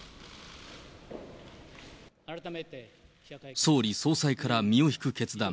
総理総裁から身を引く決断。